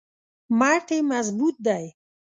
مټ یې مضبوط دی.